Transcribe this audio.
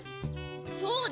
そうだ！